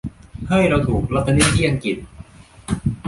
เฮ้ย เราถูกล็อตเตอรี่ที่อังกฤษ !